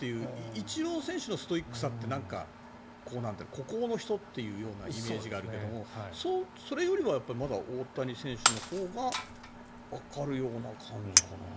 イチロー選手のストイックさって孤高の人っていうイメージがあるけどそれよりはまだ大谷選手のほうがわかるような感じかな。